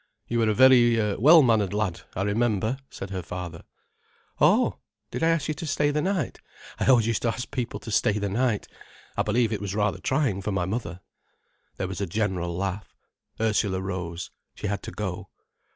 "You were a very well mannered lad, I remember," said her father. "Oh! did I ask you to stay the night? I always used to ask people to stay the night. I believe it was rather trying for my mother." There was a general laugh. Ursula rose. She had to go.